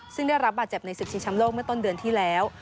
ซึ่งได้รับบาดเจ็บในศึกชิงชำโลกเมื่อต้นเดือนที่แล้ว